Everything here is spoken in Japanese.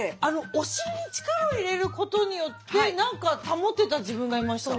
お尻に力を入れることによって何か保てた自分がいました。